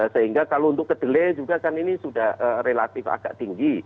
sehingga kalau untuk kedelai juga kan ini sudah relatif agak tinggi